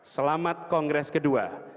selamat kongres kedua